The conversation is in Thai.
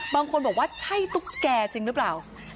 บางคนบอกว่าใช่ตุ๊กแก่จริงหรือเปล่า